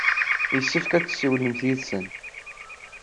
Yessefk ad tessiwlemt yid-sen.